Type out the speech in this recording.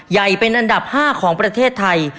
ใหญ่เป็นอันดับ๕ของประเทศไทย